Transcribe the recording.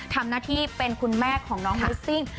ทำหน้าที่เป็นคุณแม่ของน้องมูสซิ่ง